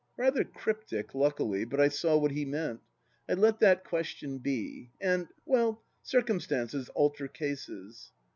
Rather cryptic, luckily, but I saw what he meant. I let that question be. And — ^well, circumstances alter cases.